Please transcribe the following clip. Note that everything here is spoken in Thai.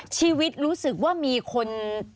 ชีวิตรู้สึกว่ามีคน